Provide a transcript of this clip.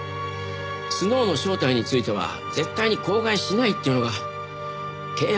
スノウの正体については絶対に口外しないっていうのが契約の条件でしたから。